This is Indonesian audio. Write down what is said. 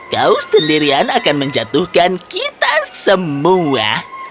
kau sendirian akan menjatuhkan kita semua